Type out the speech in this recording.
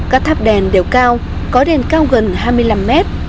các tháp đèn đều cao có đèn cao gần hai mươi năm mét